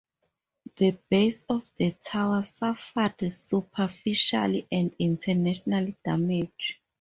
The base of the tower suffered superficial and internal damage.